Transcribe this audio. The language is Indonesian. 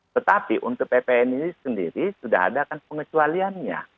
tetapi untuk ppn ini sendiri sudah ada kan pengecualiannya